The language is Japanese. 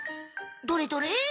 どれどれ？